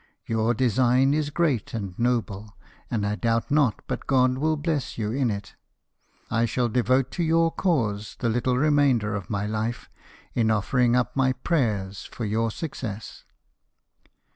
Your design is great and noble ; and I doubt not but God will bless you in it. I shall devote to your cause the little remainder of my life, in offering up my prayers GENERAL PAOLI. 63 for your success."